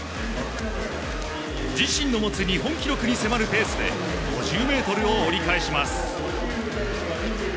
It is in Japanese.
自身の持つ日本記録に迫るペースで５０ｍを折り返します。